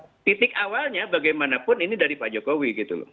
nah titik awalnya bagaimanapun ini dari pak jokowi gitu loh